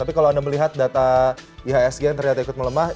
tapi kalau anda melihat data ihsg yang ternyata ikut melemah